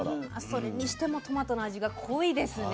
それにしてもトマトの味が濃いですね。